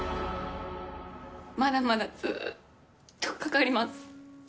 まだまだずっとかかります。